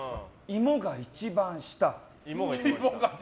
芋が一番下。